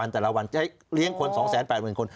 แต่ละวันจะเลี้ยงคน๒๘๐๐๐คน